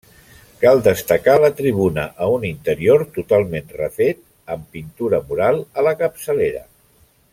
Cal destacar la tribuna a un interior totalment refet amb pintura mural a la capçalera.